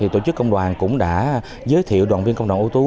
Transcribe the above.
tổ chức công đoàn cũng đã giới thiệu đoàn viên công đoàn ưu tú